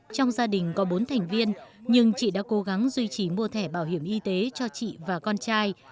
trong gia đình có bốn thành viên nhưng chị đã cố gắng duy trì mua thẻ bảo hiểm y tế cho chị và con trai